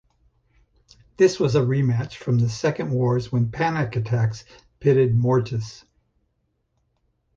This was a rematch from the Second Wars when Panic Attack pitted Mortis.